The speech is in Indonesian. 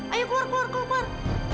ayo keluar keluar keluar